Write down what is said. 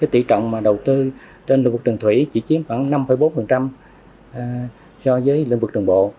tỷ trọng đầu tư trên động vực đường thủy chỉ chiếm khoảng năm bốn so với lĩnh vực đường bộ